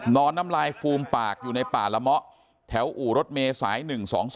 น้ำลายฟูมปากอยู่ในป่าละเมาะแถวอู่รถเมษาย๑๒๒